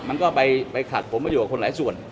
มันก็ไปขัดผมมาอยู่กับคนหลายส่วน